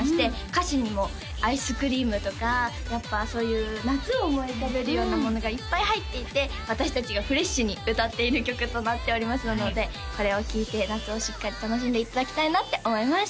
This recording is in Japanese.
歌詞にもアイスクリームとかやっぱそういう夏を思い浮かべるようなものがいっぱい入っていて私達がフレッシュに歌っている曲となっておりますのでこれを聴いて夏をしっかり楽しんでいただきたいなって思います